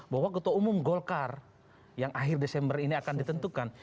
bahwa ketua umum golkar yang akhir desember ini akan ditentukan